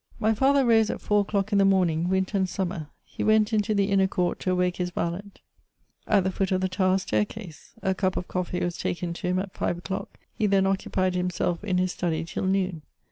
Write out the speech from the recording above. My father rose at four o'clock in the morning, winter and summer : he went into the inner court to awake his valet, at 122 MEMOIRS OF the foot of the tower staircase. A cup of coffee was taken to him at five o'clock ; he then occupied himself in his study till noon.